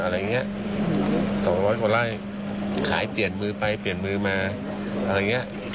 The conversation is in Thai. ๒๐๐กว่าไร่ขายเปลี่ยนมือไปเปลี่ยนมือมา